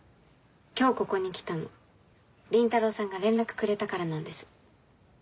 今日ここに来たの倫太郎さんが連絡くれたからなんです。